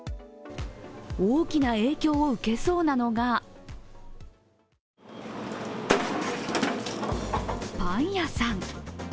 大きな影響を受けそうなのがパン屋さん。